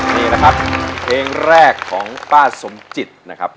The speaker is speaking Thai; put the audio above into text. นี่นะครับเพลงแรกของป้าสมจิตนะครับ